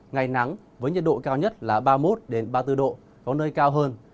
ngày nắng với nhiệt độ cao nhất là ba mươi một ba mươi bốn độ có nơi cao hơn